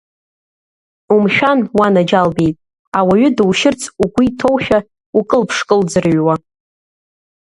Умшәан, уанаџьалбеит, ауаҩы душьырц угәы иҭоушәа укылԥш-кылӡырҩуа…